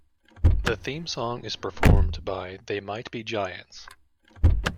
The theme song is performed by They Might Be Giants.